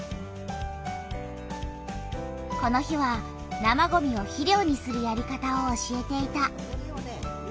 この日は生ごみを肥料にするやり方を教えていた。